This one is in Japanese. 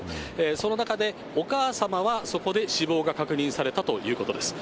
その中で、お母様はそこで死亡が確認されたということです。